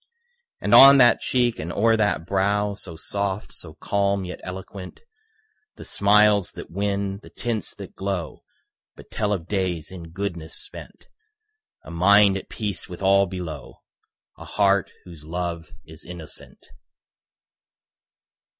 And on that cheek and o'er that brow So soft, so calm yet eloquent, The smiles that win, the tints that glow But tell of days in goodness spent A mind at peace with all below, A heart whose love is innocent.